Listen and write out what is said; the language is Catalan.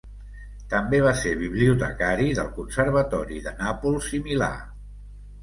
També va ser bibliotecari del Conservatori de Nàpols i Milà.